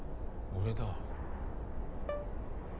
俺だ。